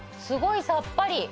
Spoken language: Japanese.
すごいさっぱり。